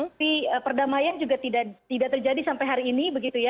tapi perdamaian juga tidak terjadi sampai hari ini